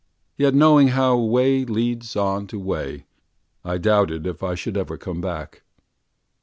Yet knowing how way leads on to way,I doubted if I should ever come back.